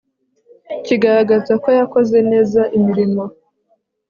kigaragaza ko yakoze neza imirimo